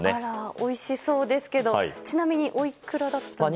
おいしそうですけど、ちなみにおいくらだったんですか？